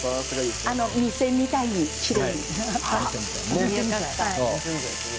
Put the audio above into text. お店みたいにきれいに。